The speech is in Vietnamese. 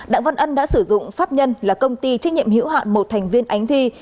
đặng văn ân đã sử dụng pháp nhân là công ty trách nhiệm hữu hạn một thành viên ánh thi